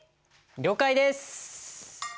了解です！